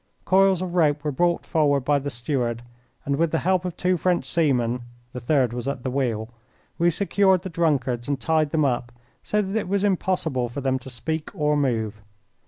Coils of rope were brought forward by the steward, and with the help of two French seamen (the third was at the wheel) we secured the drunkards and tied them up, so that it was impossible for them to speak or move.